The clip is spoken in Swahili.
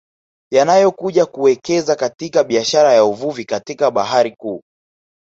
Yanayokuja kuwekeza katika biashara ya Uvuvi katika bahari kuu